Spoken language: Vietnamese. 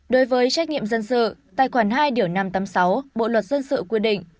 đối với trách nhiệm dân sự tại khoảng hai điều năm trăm tám mươi sáu bộ luật dân sự quy định